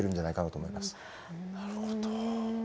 なるほど。